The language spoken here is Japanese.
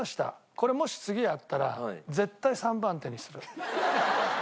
これもし次やったら絶対３番手にする。